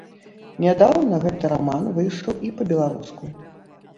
Нядаўна гэты раман выйшаў і па-беларуску.